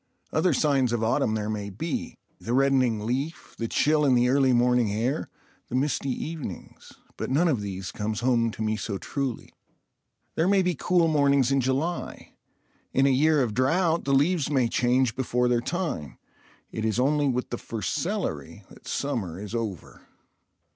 Other signs of autumn there may be—the reddening leaf, the chill in the early morning air, the misty evenings—but none of these comes home to me so truly. There may be cool mornings in July; in a year of drought the leaves may change before their time; it is only with the first celery that summer is over.